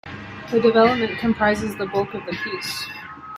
The development comprises the bulk of the piece.